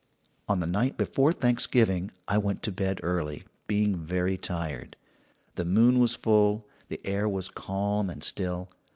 "On the night before Thanksgiving I went to bed early, being very tired. The moon was full; the air was calm and still.